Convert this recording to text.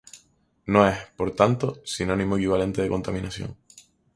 No es, por tanto, sinónimo o equivalente de contaminación.